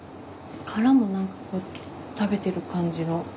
殻も何かこう食べてる感じの。